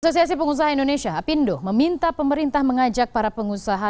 asosiasi pengusaha indonesia apindo meminta pemerintah mengajak para pengusaha